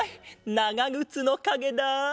ながぐつのかげだ。